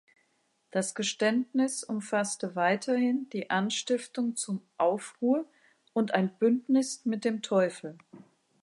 Das Geständnis umfasste weiterhin die Anstiftung zum Aufruhr und ein Bündnis mit dem Teufel.